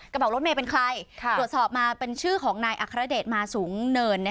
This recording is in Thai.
กระเป๋ารถเมย์เป็นใครตรวจสอบมาเป็นชื่อของนายอัครเดชมาสูงเนิน